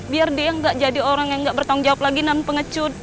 biar dia tidak menjadi orang yang tidak bertanggung jawab lagi tanpa pengecut